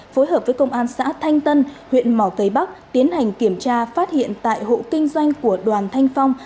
phối hợp với công an xã thanh tân huyện mỏ cây bắc tiến hành kiểm tra phát hiện tại hộ kinh doanh của đoàn thanh phong